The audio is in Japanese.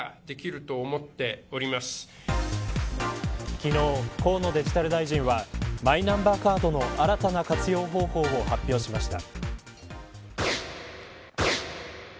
昨日、河野デジタル大臣はマイナンバーカードの新たな活用方法を発表しました。